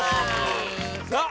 さあ